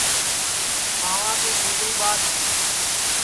پاواں کے تھیگݪی ٻادھ